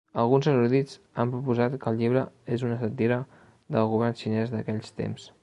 Alguns erudits han proposat que el llibre és una sàtira del govern xinès d'aquells temps.